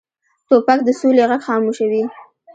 توپک د سولې غږ خاموشوي.